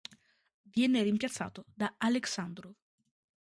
Venne rimpiazzato da Aleksandrov.